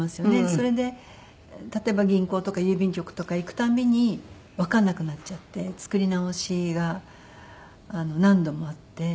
それで例えば銀行とか郵便局とか行くたびにわかんなくなっちゃって作り直しが何度もあって。